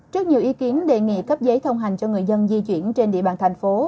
trước nhiều ý kiến đề nghị cấp giấy thông hành cho người dân di chuyển trên địa bàn thành phố